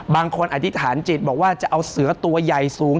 อธิษฐานจิตบอกว่าจะเอาเสือตัวใหญ่สูง